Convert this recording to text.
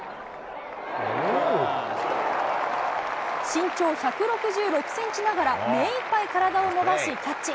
身長１６６センチながら、目いっぱい体を伸ばし、キャッチ。